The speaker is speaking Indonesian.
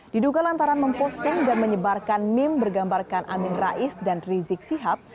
diduga lantaran memposting dan menyebarkan meme bergambarkan amin rais dan rizik sihab